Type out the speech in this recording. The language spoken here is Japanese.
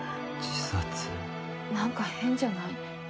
なんか変じゃない？